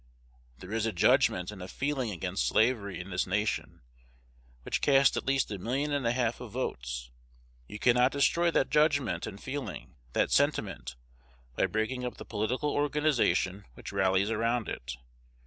There is a judgment and a feeling against slavery in this nation, which cast at least a million and a half of votes. You cannot destroy that judgment and feeling, that sentiment, by breaking up the political organization which rallies around it.